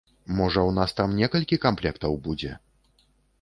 Можа, у нас там некалькі камплектаў будзе?